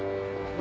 あ？